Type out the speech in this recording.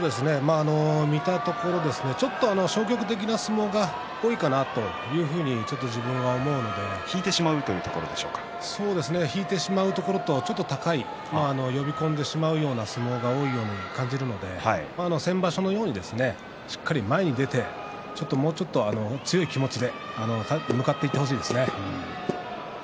見たところちょっと消極的な相撲が引いてしまうところで引いてしまうところとちょっと高い、呼び込んでしまう相撲が多いと思うので先場所のようにしっかりと前にに出て強い気持ちで向かっていってほしいですね。